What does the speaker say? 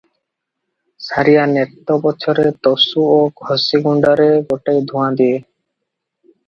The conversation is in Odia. ସାରିଆ ନେତ ପଛରେ ତସୁ ଓ ଘଷି ଗୁଣ୍ତାରେ ଗୋଟାଏ ଧୂଆଁ ଦିଏ ।